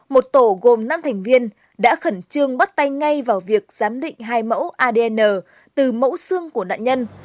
một tổ gồm năm thành viên đã khẩn trương bắt tay ngay vào việc giám định hai mẫu adn từ mẫu xương của nạn nhân